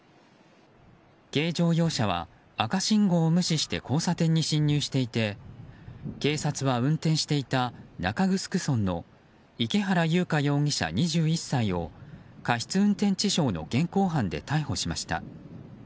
軽乗用車は赤信号を無視して交差点に進入していて警察は、運転していた中城村の池原優香容疑者、２１歳を過失運転致傷の現行犯で逮捕しました。